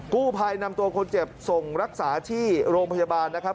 กู้ภัยนำตัวคนเจ็บส่งรักษาที่โรงพยาบาลนะครับ